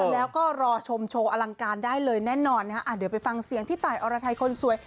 แล้วก็รอชมโชว์อลังการได้เลยแน่นอนนะฮะเดี๋ยวไปฟังเสียงพี่ตายอรไทยคนสวย